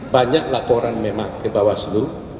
banyak laporan memang ke bawaslu